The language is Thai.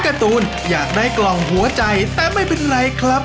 การ์ตูนอยากได้กล่องหัวใจแต่ไม่เป็นไรครับ